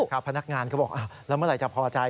พนักงานก็บอกแล้วเมื่อไหร่จะพอใจ